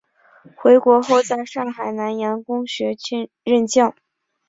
回国后在上海南洋公学任教。